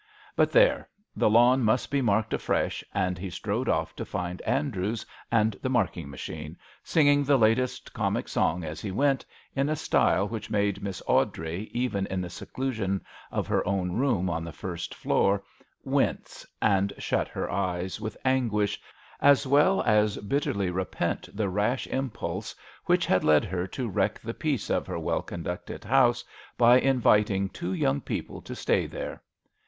But there the lawn must be marked afresh, and he strode off to find Andrews and the marking machine, singing the latest comic song as he went in a style which made Miss Awdrey, even in the seclusion of her own room on the first floor, wince and shut her eyes with anguish as well as bitterly repent the rash impulse which had led her to wreck the peace of her well conducted house by inviting two young people to stay there.